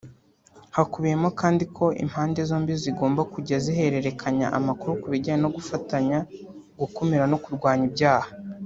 Hakubiyemo kandi ko impande zombi zigomba kujya zihererekanya amakuru ku bijyanye no gufatanya gukumira no kurwanya ibyaha